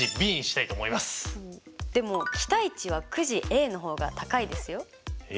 でも期待値はくじＡの方が高いですよ？え？